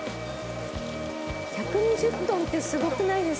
１２０トンってすごくないですか？